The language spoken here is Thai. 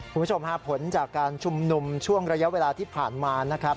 คุณผู้ชมฮะผลจากการชุมนุมช่วงระยะเวลาที่ผ่านมานะครับ